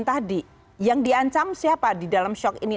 dan tadi yang diancam siapa di dalam shock ini